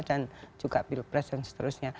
dan juga pilpres dan seterusnya